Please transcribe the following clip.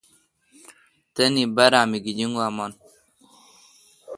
تانی بارہ می گیجنگوا من